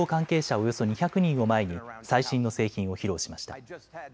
およそ２００人を前に最新の製品を披露しました。